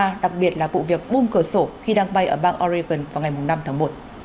tuy nhiên các nông dân cho rằng nhiệm vụ việc boom cửa sổ khi đang bay ở bang oregon vào ngày năm tháng một